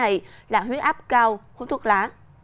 đối với các bác sĩ này là huyết áp cao cũng thuốc lá